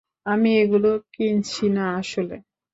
আমি এগুলো কিনছি না আসলে।